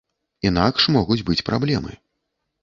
Інакш могуць быць праблемы.